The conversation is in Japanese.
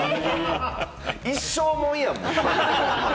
一生もんやん、もう。